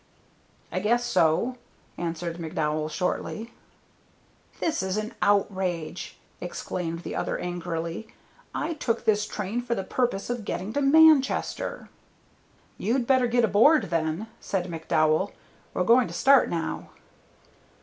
"I guess so," answered McDowell, shortly. "This is an outrage," exclaimed the other, angrily. "I took this train for the purpose of getting to Manchester." "You'd better get aboard then," said McDowell. "We're going to start now."